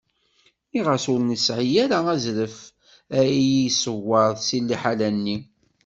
Nniɣ-as ur yesɛi ara azref ad iyi-iṣewwer s liḥala-nni.